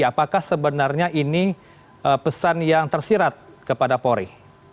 apakah sebenarnya ini pesan yang tersirat kepada polri